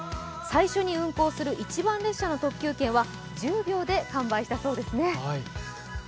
最初に運行する一番列車の特急券は１０秒で完売したそうですね。